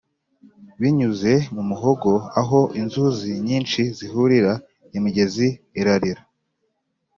binyuze mu muhogo aho inzuzi nyinshi zihurira, imigezi irarira,